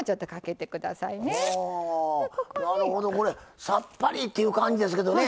なるほどこれさっぱりっていう感じですけどね